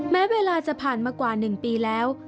แม้เวลาจะผ่านมากว่า๑ปีแล้ว